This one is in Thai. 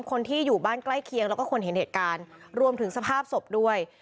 คนที่อยู่บ้านใกล้เคียงแล้วก็คนเห็นเหตุการณ์รวมถึงสภาพศพด้วย